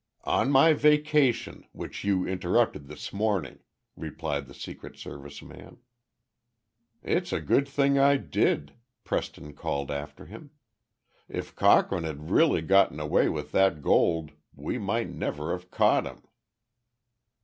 "On my vacation, which you interrupted this morning," replied the Secret Service man. "It's a good thing I did," Preston called after him. "If Cochrane had really gotten away with that gold we might never have caught him."